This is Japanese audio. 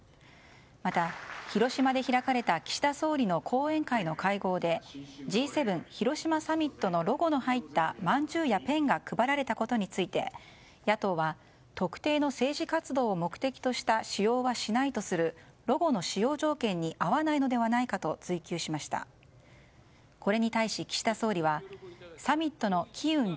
また、広島で開かれた岸田総理の後援会の会合でＧ７広島サミットのロゴの入ったまんじゅうやペンが配られたことについて野党は、特定の政治活動を目的とした使用はしないとするロゴの使用条件に合わないのではないかとミストの日焼け止めと出掛けよう。